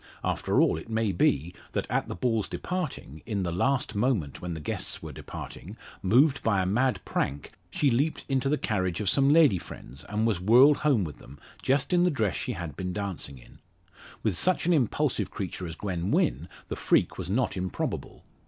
After all, it may be, that at the ball's departing, in the last moment when the guests were departing, moved by a mad prank, she leaped into the carriage of some lady friends, and was whirled home with them, just in the dress she had been dancing in. With such an impulsive creature as Gwen Wynn, the freak was not improbable.